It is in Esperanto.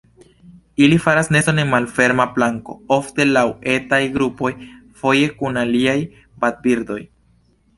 Ili faras neston en malferma planko, ofte laŭ etaj grupoj, foje kun aliaj vadbirdoj.